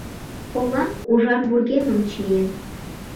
Ола ужар вургемым чиен.